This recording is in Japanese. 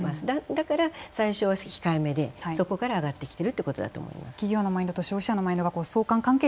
だから最初は控えめでそこから上がってきていると思います。